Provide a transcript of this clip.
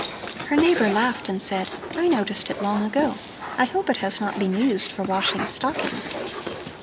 Her neighbor laughed and said: 'I noticed it long ago. I hope it has not been used for washing stockings.'